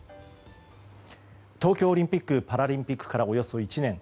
東京オリンピック・パラリンピックからおよそ１年。